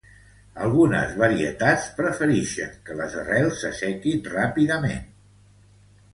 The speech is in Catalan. Algunes varietats preferixen que les arrels se sequen ràpidament.